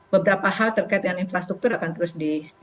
beberapa hal terkait dengan infrastruktur akan terus di